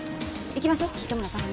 行きましょう糸村さん。